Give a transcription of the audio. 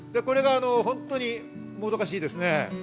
これが本当にもどかしいですね。